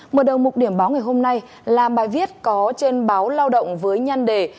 mở đầu mục điểm báo ngày hôm nay là bài viết có trên báo lao động với nhăn đề